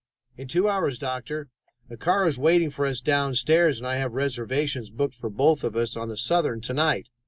"In two hours, Doctor. A car is waiting for us downstairs and I have reservations booked for both of us on the Southern to night.